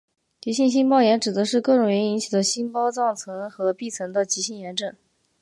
急性心包炎指的是各种原因引起的心包脏层和壁层的急性炎症。